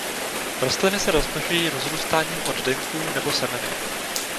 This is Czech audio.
Rostliny se rozmnožují rozrůstáním oddenků nebo semeny.